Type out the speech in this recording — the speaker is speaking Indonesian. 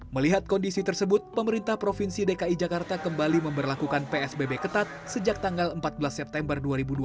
melihat kondisi tersebut pemerintah provinsi dki jakarta kembali memperlakukan psbb ketat sejak tanggal empat belas september dua ribu dua puluh